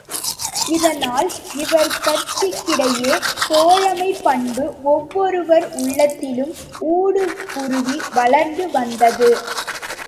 இதனால் இவர்கட்கிடையே தோழமைப் பண்பு ஒவ்வொருவர் உள்ளத்திலும் ஊடுருவி வளர்ந்து வந்தது.